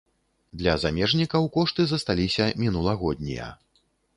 Для замежнікаў кошты засталіся мінулагоднія.